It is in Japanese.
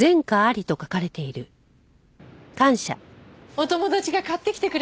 お友達が買ってきてくれたの。